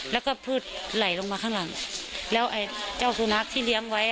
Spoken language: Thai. แล้วก็พืชไหลลงมาข้างหลังแล้วไอ้เจ้าสุนัขที่เลี้ยงไว้